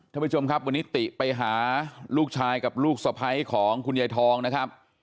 ท่านผู้ชมครับวันนี้ติไปหาลูกชายกับลูกสะพ้ายของคุณยายทองนะครับ